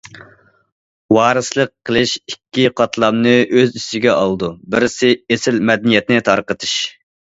ۋارىسلىق قىلىش ئىككى قاتلامنى ئۆز ئىچىگە ئالىدۇ، بىرسى، ئېسىل مەدەنىيەتنى تارقىتىش.